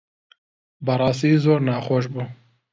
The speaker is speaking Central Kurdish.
بەڕاستی زۆر ناخۆش بوو.